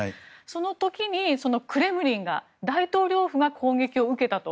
その時にクレムリンが大統領府が攻撃を受けたと。